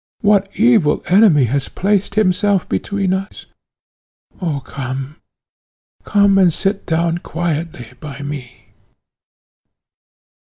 What evil enemy has placed himself between us? Oh, come come, and sit down quietly by me."